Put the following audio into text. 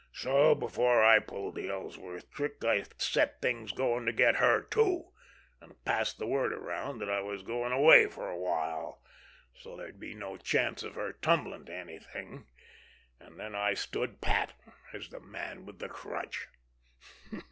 So before I pulled the Ellsworth trick, I set things going to get her too, and passed the word around that I was going away for a while, so's there'd be no chance of her tumbling to anything—and I stood pat as the Man with the Crutch.